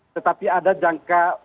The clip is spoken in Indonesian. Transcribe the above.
tetapi ada yang tidak